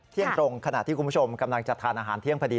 ท่ียังตรงขณะคุณผู้ชมกำลังจะอาหารเที่ยงพอดี